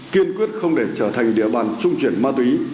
kiên quyết không để trở thành địa bàn trung chuyển ma túy